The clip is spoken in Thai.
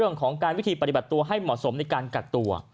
ในการปฏิบัติให้เหมาะสมในการเก็บตัว